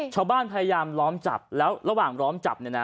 พยายามล้อมจับแล้วระหว่างล้อมจับเนี่ยนะ